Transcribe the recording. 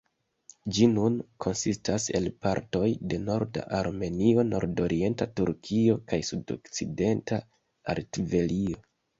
Ĝi nun konsistas el partoj de norda Armenio, nordorienta Turkio, kaj sudokcidenta Kartvelio.